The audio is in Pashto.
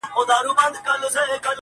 اوس يې نه راوړي رويبار د ديدن زېرئ-